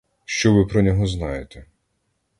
Що ви про нього знаєте?